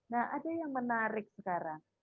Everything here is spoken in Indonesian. nah ada yang menarik sekarang